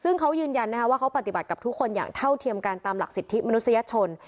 ซึ่งเขายืนยันว่าเขาปฏิบัติกับทุกคนอย่างเท่าเทียมกันตามหลักสิทธิมนุษยชน